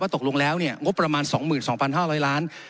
ว่าตกลงแล้วเนี้ยงบประมาณสองหมื่นสองพันห้าร้อยล้าน